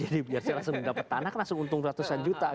jadi biar saya langsung dapat tanah langsung untung ratusan juta gitu kan